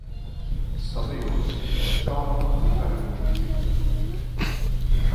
சபையோர் உற்சாகமாக கரகோஷம் செய்தார்கள்.